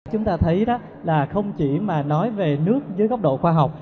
chúng ta thấy đó là không chỉ mà nói về nước dưới góc độ khoa học